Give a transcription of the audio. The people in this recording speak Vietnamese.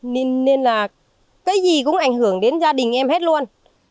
nên là cái gì cũng ảnh hưởng đến gia đình em hết luôn